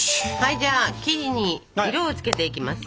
じゃあ生地に色を付けていきますよ。